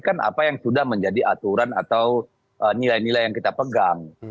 kan apa yang sudah menjadi aturan atau nilai nilai yang kita pegang